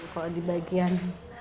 kalau di bagian